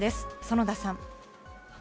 園田さん。